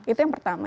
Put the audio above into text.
itu yang pertama